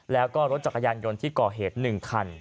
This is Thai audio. แล้วก็รถจักรยานยนต์ที่ก่อเหตุ๑คัน